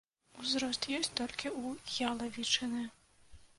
Узрост ёсць толькі ў ялавічыны.